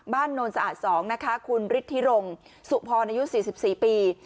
บ้านโนลสะอาด๒นะคะคุณฤิษฐิรงค์สุพในยุค๔๔ปี